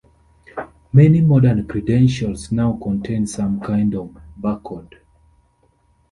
Many modern credentials now contain some kind of barcode.